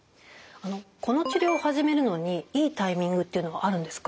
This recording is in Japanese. この治療を始めるのにいいタイミングっていうのはあるんですか？